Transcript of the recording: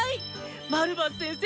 マルバス先生